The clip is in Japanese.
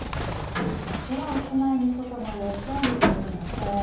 おしまいに、外の様子を見ていきましょう。